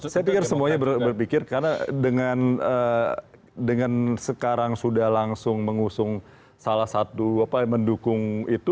saya pikir semuanya berpikir karena dengan sekarang sudah langsung mengusung salah satu mendukung itu